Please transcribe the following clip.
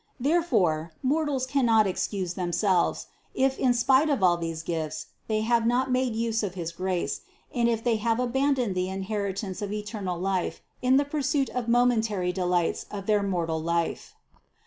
Therefore, mortals cannot excuse themselves, if in spite of all these gifts, they have not made use of his grace, and if they have abandoned the inheritance of eternal life in the pursuit of momentary delights of their 216 CITY OF GOD mortal life.